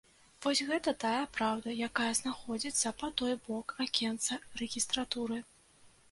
Вось гэта тая праўда, якая знаходзіцца па той бок акенца рэгістратуры.